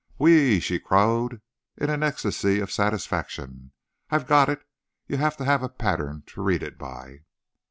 "Whee!" she crowed in an ecstasy of satisfaction; "I've got it! You have to have a pattern to read it by."